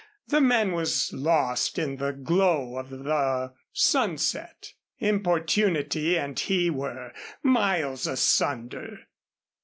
The man was lost in the glow of the sunset. Importunity and he were miles asunder.